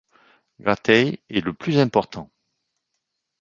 Gratay est le plus important.